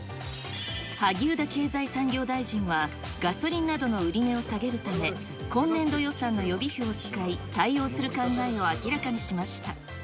萩生田経済産業大臣は、ガソリンなどの売値を下げるため、今年度予算の予備費を使い、対応する考えを明らかにしました。